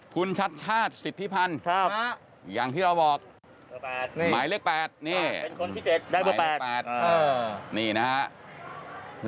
คุณชัดชาชจิตพิพันธ์อย่างที่เราบอกหมายเลข๘นี่ถ้าเป็นคนที่๗ได้เป็น๘นี่นะครับ